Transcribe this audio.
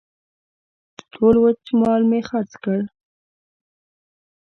ټول وچ مال مې خرڅ کړ.